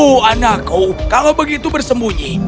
oh anakku kalau begitu bersembunyi